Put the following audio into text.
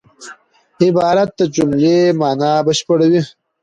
عبارت د جملې مانا بشپړوي.